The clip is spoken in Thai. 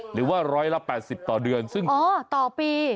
หรือว่าร้อยละ๘๐ต่อเดือนซึ่งอ๋อต่อปี